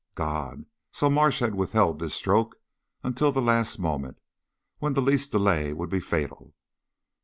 "God!" So Marsh had withheld this stroke until the last moment, when the least delay would be fatal.